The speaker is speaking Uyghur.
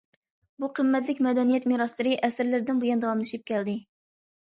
بۇ قىممەتلىك مەدەنىيەت مىراسلىرى ئەسىرلەردىن بۇيان داۋاملىشىپ كەلدى.